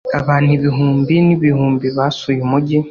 abantu ibihumbi n'ibihumbi basuye umujyi